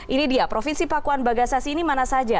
ini dia provinsi pakuan bagassasi ini mana saja